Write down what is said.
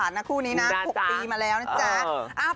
นะคู่นี้นะ๖ปีมาแล้วนะจ๊ะ